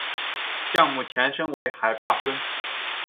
项目前身为海坝村。